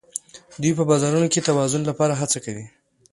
دوی په بازارونو کې د توازن لپاره هڅه کوي